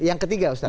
yang ketiga ustaz